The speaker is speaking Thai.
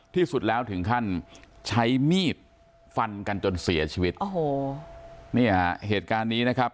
ที่สุดแล้วถึงขั้นใช้มีดฟันกันจนเสียชีวิตโอ้โหเนี่ยเหตุการณ์นี้นะครับ